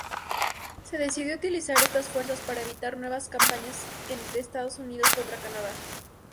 Se decidió utilizar estas fuerzas para evitar nuevas campañas de Estados Unidos contra Canadá.